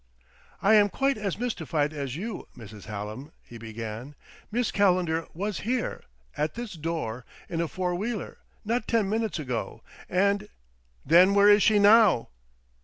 "I am quite as mystified as you, Mrs. Hallam," he began. "Miss Calendar was here, at this door, in a four wheeler, not ten minutes ago, and " "Then where is she now?"